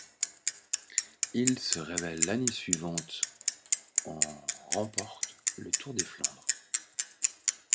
Il se révèle l'année suivante en remporte le Tour des Flandres.